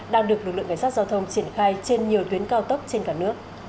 đang được lực lượng cảnh sát giao thông triển khai trên nhiều tuyến cao tốc trên cả nước